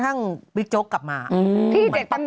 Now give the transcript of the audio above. วันนี้คุยกับคน